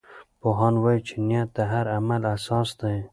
پوهان وایي چې نیت د هر عمل اساس دی.